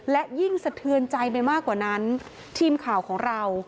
และยิ่งสะเทือนใจไปมากกว่านั้นทีมข่าวของเรา